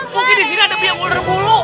mungkin disini ada pihak pihak bulu